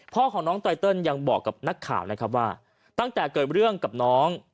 พ่อของน้องไตเติลยังบอกกับนักข่าวนะครับว่าตั้งแต่เกิดเรื่องกับน้อง